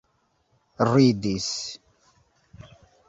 ridis